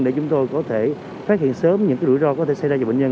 để chúng tôi có thể phát hiện sớm những rủi ro có thể xảy ra cho bệnh nhân